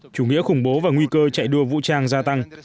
chủ nghĩa khủng bố và nguy cơ chạy đua vũ trang gia tăng